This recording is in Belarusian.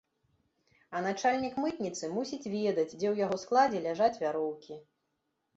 А начальнік мытніцы мусіць ведаць, дзе ў яго складзе ляжаць вяроўкі.